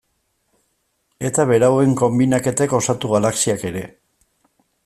Eta berauen konbinaketek osatu galaxiak ere.